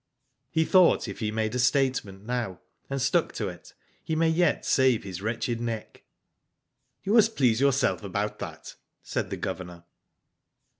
He thought if he made a statement now, and stuck to it, he might yet save his wretched neck. " You must please yourself about that," said the Governor.